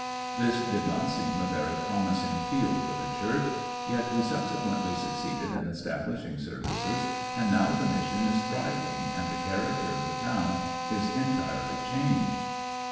This did not seem a very promising field for the Church, yet we subsequently succeeded in establishing services, and now the mission is thriving and the character of the town is entirely changed.